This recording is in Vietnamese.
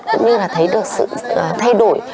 cũng như là thấy được sự thay đổi